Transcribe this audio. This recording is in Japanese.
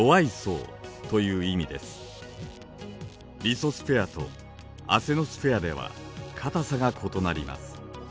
リソスフェアとアセノスフェアでは固さが異なります。